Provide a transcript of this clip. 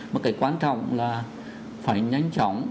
một cái quan trọng là phải nhanh chóng